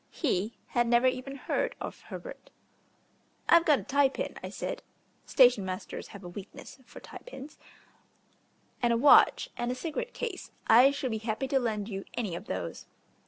He had never even heard of Herbert. "I've got a tie pin," I said (station masters have a weakness for tie pins), "and a watch and a cigarette case. I shall be happy to lend you any of those."